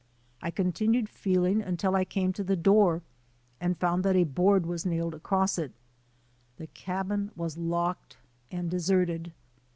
I con tinued feeling until I came to the door and found that a board was nailed across it. The cabin was locked and deserted